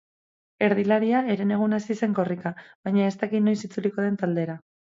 Erdilaria herenegun hasi zen korrika, baina ez daki noiz itzuliko den taldera.